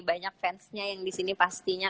banyak fansnya yang disini pastinya